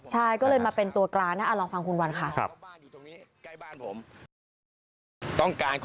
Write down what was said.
ใช่ก็เลยมาเป็นตัวกลางนะลองฟังคุณวันค่ะ